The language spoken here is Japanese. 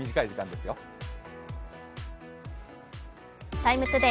「ＴＩＭＥ，ＴＯＤＡＹ」